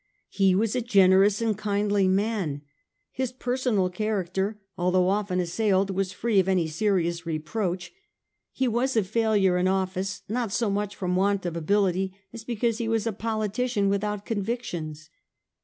He was a generous and kindly man; his personal character, although often assailed, was free of any serious reproach; he was a failure in office, not so much from want of ability, as because he was a politician without convictions.